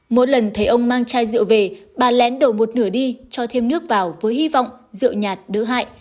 mỗi lần thấy ông mang chai rượu về bà lén đổ một nửa đi cho thêm nước vào với hy vọng rượu nhạt đỡ hại